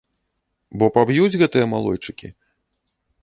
Бо паб'юць гэтыя малойчыкі.